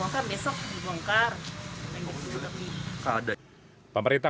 kalau membongkar besok dibongkar lebih lebih ada pemerintah